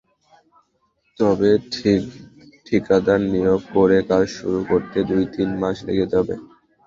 তবে ঠিকাদার নিয়োগ করে কাজ শুরু করতে দুই-তিন মাস লেগে যাবে।